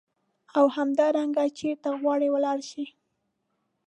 او همدارنګه چیرته غواړې ولاړ شې.